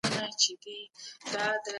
او خپل منزل ته به ورسیږئ.